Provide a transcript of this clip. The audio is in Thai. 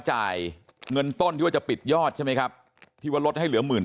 จ่ายเงินต้นที่ว่าจะปิดยอดใช่ไหมครับที่ว่าลดให้เหลือหมื่น